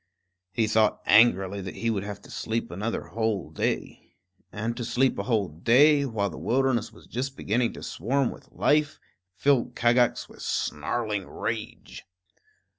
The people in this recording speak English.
He thought angrily that he would have to sleep another whole day. And to sleep a whole day, while the wilderness was just beginning to swarm with life, filled Kagax with snarling rage.